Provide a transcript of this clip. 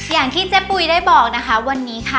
อย่างที่เจ๊ปุ๋ยได้บอกนะคะวันนี้ค่ะ